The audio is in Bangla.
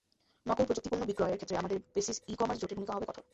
নকল প্রযুক্তিপণ্য বিক্রয়ের ক্ষেত্রে আমাদের বেসিস ই-কমার্স জোটের ভূমিকা হবে কঠোর।